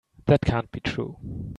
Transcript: That can't be true.